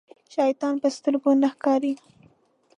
شيطان په سترګو نه ښکاري.